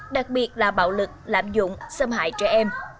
đặc biệt là bạo lực lạm dụng xâm hại trẻ em